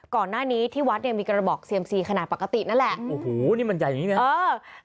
ก่อนหน้านี้ที่วัดเนี่ยมีกระบอกเซียมซีขนาดปกตินั่นแหละโอ้โหนี่มันใหญ่อย่างงี้นะเออ